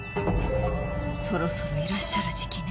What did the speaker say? そろそろいらっしゃる時季ね。